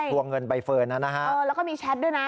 วงเงินใบเฟิร์นนะฮะเออแล้วก็มีแชทด้วยนะ